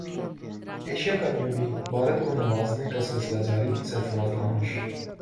Asia cup میں بھی بھارت کو نوازنے کا سلسلہ جاری سرفراز ناخوش